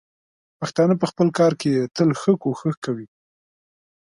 پښتانه په خپل کار کې تل ښه کوښښ کوي.